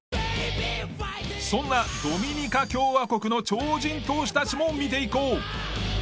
そんなドミニカ共和国の超人投手たちも見ていこう。